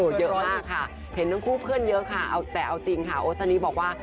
เยอะมากค่ะเห็นทั้งคู่เพื่อนเยอะค่ะเอาแต่เอาจริงค่ะโอซานิบอกว่า